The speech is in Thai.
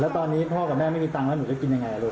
แล้วตอนนี้พ่อกับแม่ไม่มีตังค์แล้วหนูจะกินยังไงลูก